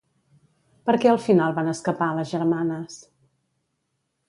Per què al final van escapar les germanes?